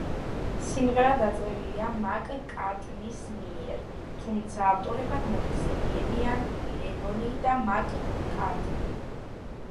სიმღერა დაწერილია მაკ-კარტნის მიერ, თუმცა ავტორებად მოიხსენიებიან ლენონი და მაკ-კარტნი.